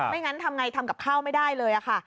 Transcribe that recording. งั้นทำไงทำกับข้าวไม่ได้เลยค่ะ